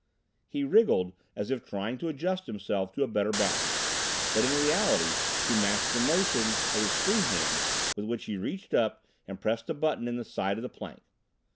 He wriggled as if trying to adjust himself to a better balance, but in reality to mask the motion of his free hand with which he reached up and pressed a button in the side of the plank.